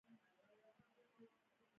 زاړه کسان د ټولنې مشران دي